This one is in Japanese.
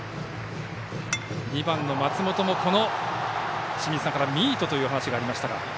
２番の松本も、清水さんからもミートというお話がありましたが。